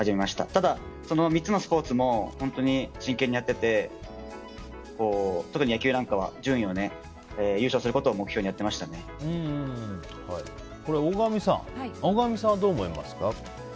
ただ、その３つのスポーツも本当に真剣にやっていて特に野球なんかは順位を優勝することを目標に大神さんはどう思いますか？